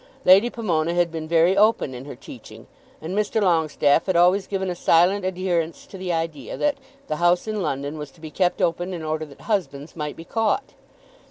Lady Pomona had been very open in her teaching, and Mr. Longestaffe had always given a silent adherence to the idea that the house in London was to be kept open in order that husbands might be caught.